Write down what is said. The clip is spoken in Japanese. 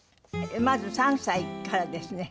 まず３歳からですね。